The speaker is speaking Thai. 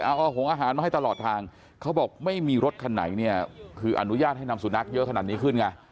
เอาหงอาหารมาให้ตลอดทางเขาบอกไม่มีรถคันไหนเนี่ยคืออนุญาตให้นำสุนัขเยอะขนาดนี้ขึ้นไง